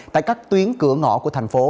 tại các tuyến cửa ngõ của thành phố